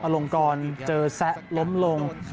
ลงกรเจอแซะล้มลง